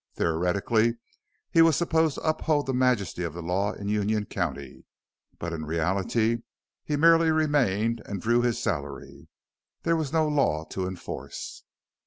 Theoretically he was supposed to uphold the majesty of the law in Union County, but in reality he merely remained and drew his salary. There was no law to enforce.